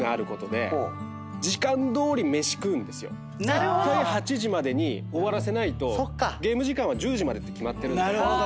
絶対８時までに終わらせないとゲーム時間は１０時までって決まってるんで。